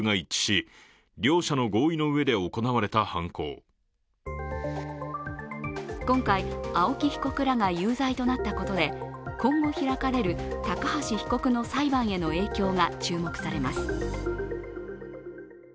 そのうえで今回、青木被告らが有罪となったことで今後開かれる高橋被告の裁判への影響が注目されます。